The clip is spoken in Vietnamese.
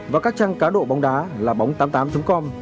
và các trang cá độ bóng đá là bóng tám mươi tám com